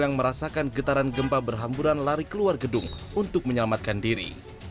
yang merasakan getaran gempa berhamburan lari keluar gedung untuk menyelamatkan diri